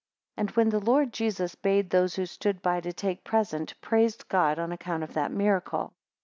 11 And when the Lord Jesus bade those who stood by to take present praised God on account of that miracle.